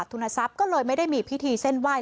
ทุนทรัพย์ก็เลยไม่ได้มีพิธีเส้นไหว้